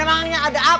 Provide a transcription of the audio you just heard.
emangnya ada apa